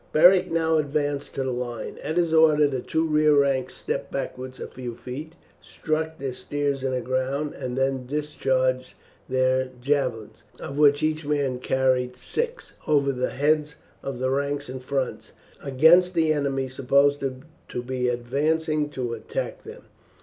Beric now advanced to the line. At his order the two rear ranks stepped backwards a few feet, struck their spears in the ground, and then discharged their javelins of which each man carried six over the heads of the ranks in front, against the enemy supposed to be advancing to attack them.